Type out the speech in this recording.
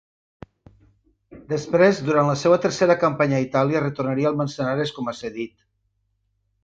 Després, durant la seua tercera campanya a Itàlia, retornaria al Manzanares com a cedit.